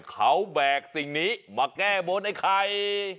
เขาแบกสิ่งนี้มาแก้บนไอ้ไข่